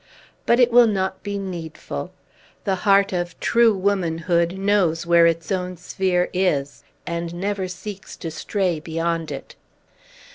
But it will not be needful. The heart of time womanhood knows where its own sphere is, and never seeks to stray beyond it!"